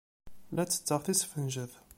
La ttetteɣ tisfenjet.